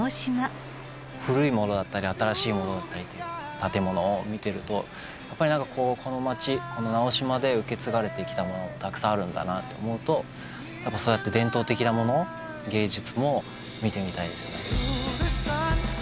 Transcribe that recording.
古い物だったり新しい物だったり建物を見てるとやっぱり何かこうこの町この直島で受け継がれてきた物ってたくさんあるんだなって思うとそうやって伝統的な物芸術も見てみたいですね。